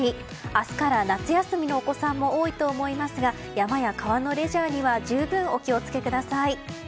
明日から夏休みのお子さんも多いと思いますが山や川のレジャーには十分お気を付けください。